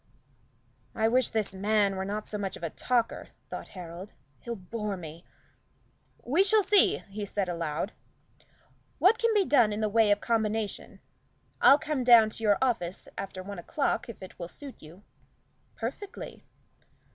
"I wish this man were not so much of a talker," thought Harold, "he'll bore me. We shall see," he said aloud, "what can be done in the way of combination. I'll come down to your office after one o'clock if it will suit you?" "Perfectly."